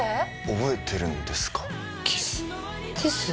覚えてるんですかキスキス？